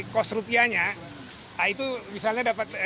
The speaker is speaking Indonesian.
kos rupiahnya itu misalnya dapat